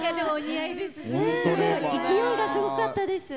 勢いがすごかったです。